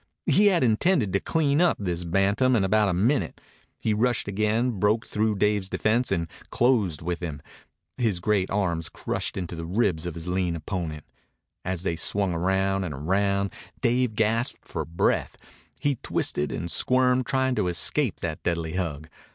He had intended to clean up this bantam in about a minute. He rushed again, broke through Dave's defense, and closed with him. His great arms crushed into the ribs of his lean opponent. As they swung round and round, Dave gasped for breath. He twisted and squirmed, trying to escape that deadly hug.